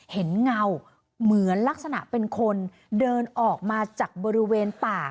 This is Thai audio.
เงาเหมือนลักษณะเป็นคนเดินออกมาจากบริเวณป่า